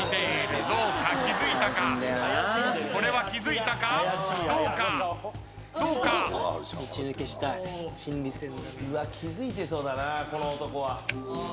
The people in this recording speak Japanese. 気付いてそうだなこの男は。